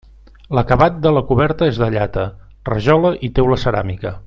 L'acabat de la coberta és de llata, rajola i teula ceràmica.